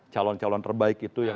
calon calon terbaik itu